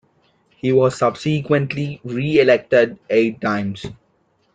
He was subsequently re-elected eight times.